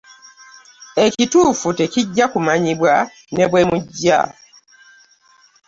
Ekituufu tekijja kumanyibwa ne bwe mujja.